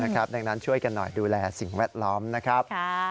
ดังนั้นช่วยกันหน่อยดูแลสิ่งแวดล้อมนะครับ